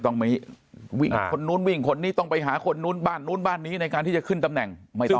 ต้องไปวิ่งคนนู้นวิ่งคนนี้ต้องไปหาคนนู้นบ้านนู้นบ้านนี้ในการที่จะขึ้นตำแหน่งไม่ต้อง